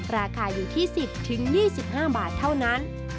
ราคาอยู่ที่๑๐๒๕บาทเท่านั้น